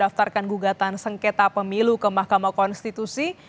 daftarkan gugatan sengketa pemilu ke mahkamah konstitusi